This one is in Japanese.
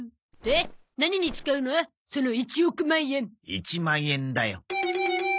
１万円だよ。